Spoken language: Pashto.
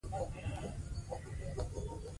د خپلو ګاونډیانو حقونه وپېژنئ.